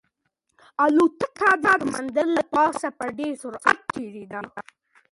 الوتکه د سمندر له پاسه په ډېر سرعت تېرېده.